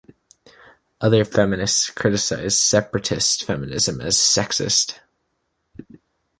Other feminists criticize separatist feminism as sexist.